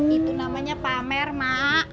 itu namanya pamer mak